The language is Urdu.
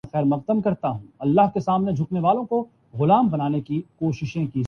صرف کام کرو کھانا کھاؤ ٹیکس دو کام ختم اور ہم بھی فارخ